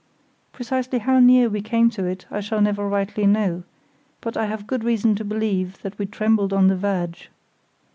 Precisely how near we came to it I shall never rightly know; but I have good reason to believe that we trembled on the verge.